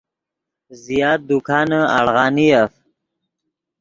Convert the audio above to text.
زیات دکانے اڑغانیف